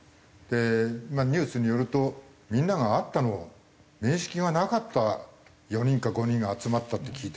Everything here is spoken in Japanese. まあニュースによるとみんなが会ったの面識がなかった４人か５人が集まったって聞いてるけど。